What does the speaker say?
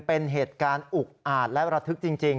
เป็นเหตุการณ์อุกอาจและระทึกจริง